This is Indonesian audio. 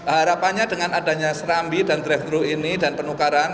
harapannya dengan adanya serambi dan drivegro ini dan penukaran